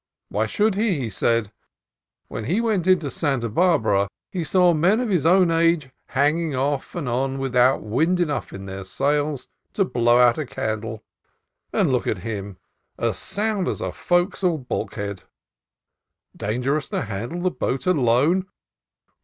Why should he? he said. When he went in to Santa Barbara he saw men of his own age " hanging off and on without wind enough in their sails to blow out a candle" ; and look at him, as sound as a fo'c'sle bulk head! Dangerous to handle the boat alone?